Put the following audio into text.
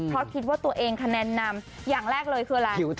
เพราะคิดว่าตัวเองคะแนนนำอย่างแรกเลยคืออะไร